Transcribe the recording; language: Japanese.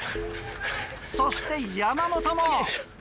そして山本も。